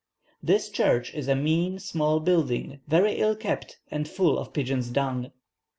This church is a mean, small building, very ill kept and full of pigeons' dung."